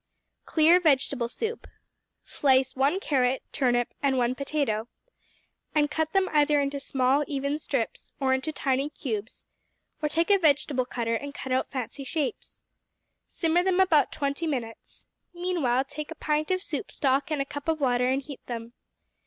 Clear Vegetable Soup Slice one carrot, turnip, and one potato, and cut them either into small, even strips, or into tiny cubes, or take a vegetable cutter and cut out fancy shapes. Simmer them about twenty minutes. Meanwhile, take a pint of soup stock and a cup of water and heat them.